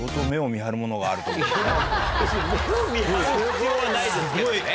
別に目を見張る必要はないですけどね。